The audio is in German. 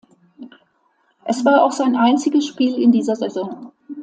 Es war auch sein einziges Spiel in dieser Saison.